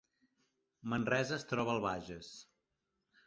Manresa es troba al Bages